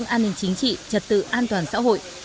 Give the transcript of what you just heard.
an ninh chính trị trật tự an toàn xã hội